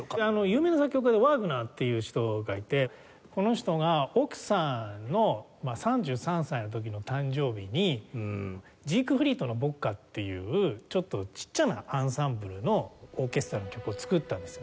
有名な作曲家でワーグナーっていう人がいてこの人が奥さんの３３歳の時の誕生日に『ジークフリート牧歌』っていうちょっとちっちゃなアンサンブルのオーケストラの曲を作ったんです。